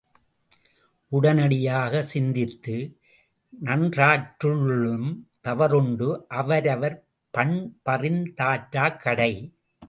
உடனடியாக சிந்தித்து, நன்றாற்ற லுள்ளும் தவறுண்டு அவரவர் பண்பறிந் தாற்றாக் கடை.